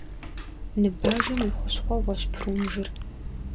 Ныбажэм и хущхъуэгъуэщ прунжыр.